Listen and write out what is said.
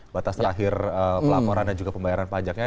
batas terakhir pelaporan dan juga pembayaran pajaknya